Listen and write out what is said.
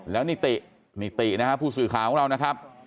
แล้วนิตินิตินะครับผู้สื่อข่าวของเรานะครับ